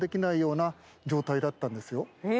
え！